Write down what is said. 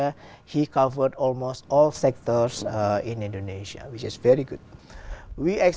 khi bạn đã có rất nhiều việc